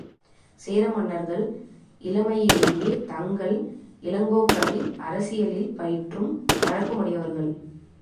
சேர மன்னர்கள் இளமையிலேயே தங்கள் இளங்கோக்களை அரசியலில் பயிற்றும் வழக்க முடையவர்கள்.